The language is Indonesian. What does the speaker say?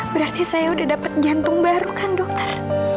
berarti saya sudah dapat jantung baru kan dokter